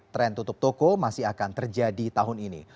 tren tutup toko masih akan terjadi tahun ini